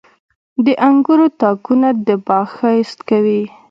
• د انګورو تاکونه د باغ ښایست کوي.